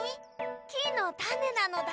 きのたねなのだ。